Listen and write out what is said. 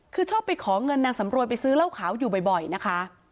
คือชอบไปขอเงินนางสำรวยไปซื้อเหล้าขาวอยู่บ่อยนะคะ